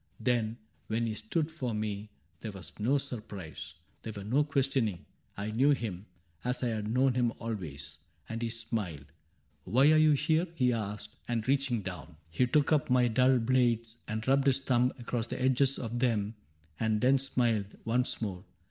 Then, when he stood before me, there was no Surprise, there was no questioning : I knew him, As I had known him always ; and he smiled. ,' Why are you here ?' he asked ; and reaching down. He took up my dull blades and rubbed his thumb Across the edges of them and then smiled Once more.